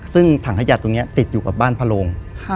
ซึ่งถังขยะตรงนี้ติดอยู่กับบ้านพระโรง